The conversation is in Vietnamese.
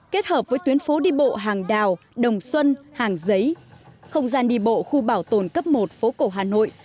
kết hợp với tuyến phố đi bộ hàng đào đồng xuân hàng giấy không gian đi bộ khu bảo tồn cấp một phố cổ hà nội